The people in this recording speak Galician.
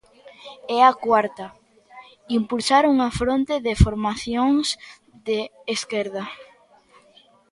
E a cuarta, impulsar unha fronte de formacións de esquerda.